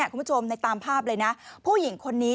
คุณผู้ชมในตามภาพเลยนะผู้หญิงคนนี้